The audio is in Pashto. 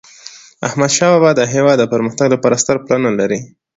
احمدشاه بابا د هیواد د پرمختګ لپاره ستر پلانونه لرل.